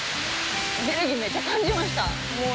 エネルギー、めっちゃ感じました。